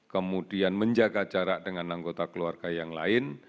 kemudian menjaga jarak dengan anggota keluarga yang lain